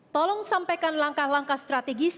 tolong sampaikan langkah langkah strategis